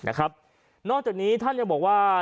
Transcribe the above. นะครับนอกจากนี้ท่านเนี่ยบอกว่า